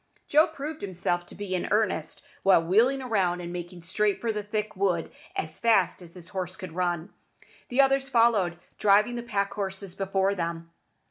Joe proved himself to be in earnest by wheeling round and making straight for the thick wood as fast as his horse could run. The others followed, driving the pack horses before them.